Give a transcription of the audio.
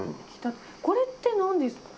これって、何ですか？